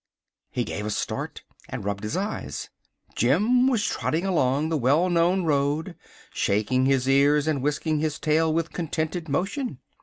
He gave a start and rubbed his eyes. Jim was trotting along the well known road, shaking his ears and whisking his tail with a contented motion.